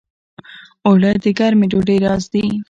اوړه د ګرمې ډوډۍ راز دي